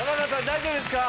大丈夫ですか？